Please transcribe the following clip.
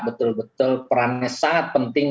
betul betul perannya sangat penting